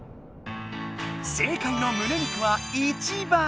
正解のむね肉は１番！